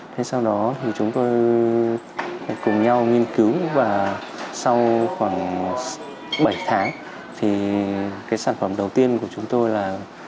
thế sau đó thì chúng tôi cùng nhau nghiên cứu và sau khoảng bảy tháng thì cái sản phẩm đầu tiên của chúng tôi là